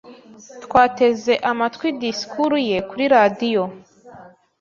Twateze amatwi disikuru ye kuri radio.